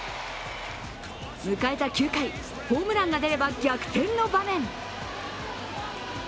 迎えた９回、ホームランが出れば逆転の場面。